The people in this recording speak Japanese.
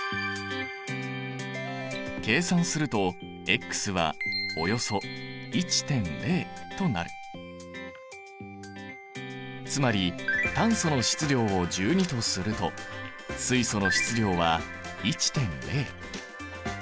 計算するとつまり炭素の質量を１２とすると水素の質量は１．０。